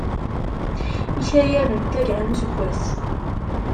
Ikayaden n taggara n useggas.